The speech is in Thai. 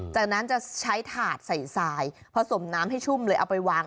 จากนั้นจะใช้ถาดใส่ทรายผสมน้ำให้ชุ่มเลยเอาไปวาง